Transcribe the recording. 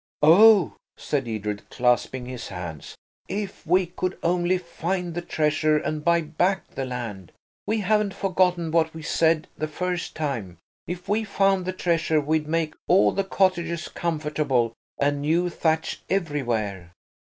"Oh," said Edred, clasping his hands, "if we could only find the treasure, and buy back the land! We haven't forgotten what we said the first time: if we found the treasure we'd make all the cottages comfortable, and new thatch everywhere."